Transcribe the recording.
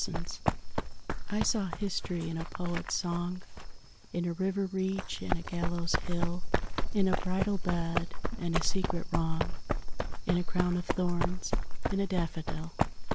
SYMBOLS I saw history in a poet's song, In a river reach and a gallows hill, In a bridal bed, and a secret wrong, In a crown of thorns: in a daffodil.